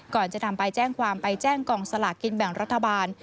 ก่อนจะนำไปแจ้งความไปแจ้งกองสลากกินแบ่งรัฐบาล